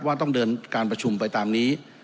ว่าต้องเดินการประชุมไปตามนี้